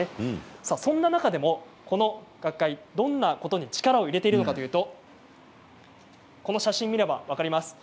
そんな中でもこの学会どんなことに力を入れているかというとこの写真を見れば分かります。